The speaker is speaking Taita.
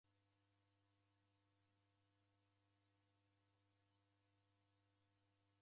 Mwana wa mburi waonga mariw'a ghose.